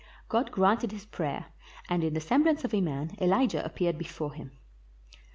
God granted his prayer, and in the semblance of a man Elijah appeared before him.